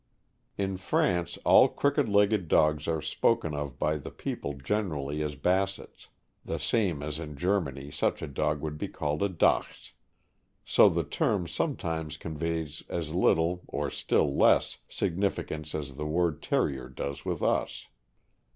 In France, all crooked legged dogs are spoken of by the people generally as Bassets, the same as in Germany such a dog would be called a Dachs; so the term sometimes conveys as little (or still less) significance as the word Terrier does with us.